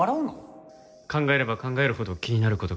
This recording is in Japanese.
考えれば考えるほど気になる事が出てきて。